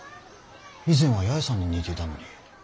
以前は八重さんに似てたのに。